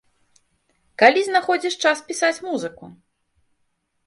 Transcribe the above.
Калі знаходзіш час пісаць музыку?